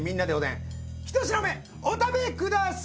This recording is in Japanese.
１品目お食べください。